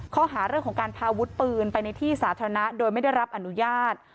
ข้อหาเรื่องของการพาวุฒิปืนไปในที่สาธารณะโดยไม่ได้รับอนุญาต